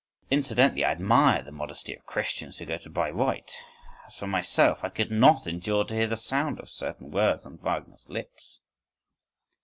… Incidentally, I admire the modesty of Christians who go to Bayreuth. As for myself, I could not endure to hear the sound of certain words on Wagner's lips.